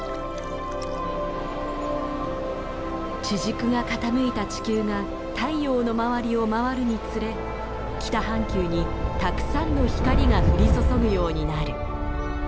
地軸が傾いた地球が太陽の周りを回るにつれ北半球にたくさんの光が降り注ぐようになる。